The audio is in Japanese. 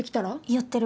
やってる。